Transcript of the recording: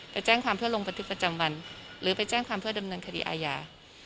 ไปแจ้งความเพื่อลงบันทึกประจำวันหรือไปแจ้งความเพื่อดำเนินคดีอาญา